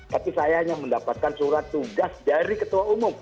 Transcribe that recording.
tapi saya hanya mendapatkan surat tugas dari ketua umum